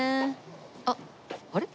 あっあれ？